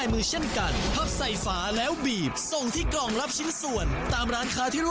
ใครจะเป็นผู้โชคดีอีกไม่กี่อื่นใกล้